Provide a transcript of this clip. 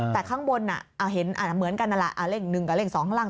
แต่ข้างบนเห็นเหมือนกันนั่นแหละเลข๑กับเลข๒ข้างล่าง